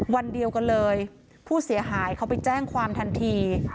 วันเดียวกันเลยผู้เสียหายเขาไปแจ้งความทันที